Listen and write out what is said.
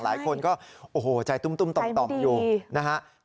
หลายคนก็โอ้โหใจตุ้มต่อมอยู่นะฮะ